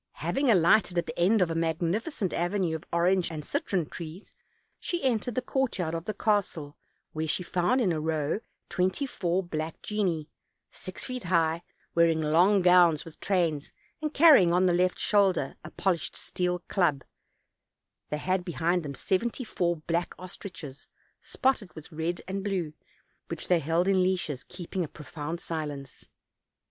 Having alighted at the end of a magnificent avenue of orange and citron trees, she entered the courtyard of the castle, where she found, in a row, twenty four black genii, six feet high, wearing long gowns with trains, and OLD, OLD FAIRY TALES, 259 carrying on the left shoulder a polished steel club; they had behind them seventy four black ostriches spotted with red and blue, which they held in leashes, keeping a profound silence.